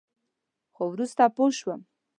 خو وروسته پوه شوم.